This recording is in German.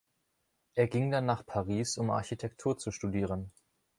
Er ging dann nach Paris, um Architektur zu studieren.